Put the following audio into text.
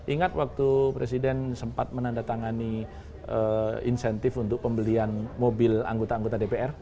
ingat waktu presiden sempat menandatangani insentif untuk pembelian mobil anggota anggota dpr